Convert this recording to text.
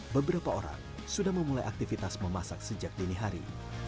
beberapa orang sudah memulai aktivitas memasak sejak dini hari